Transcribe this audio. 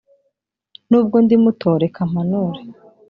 Nubwo ndi muto reka mpanure